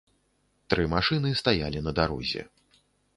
Тры машыны стаялі на дарозе.